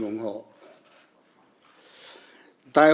tại hội nghị cán bộ toàn quốc